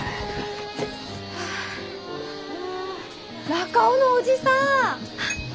中尾のおじさん！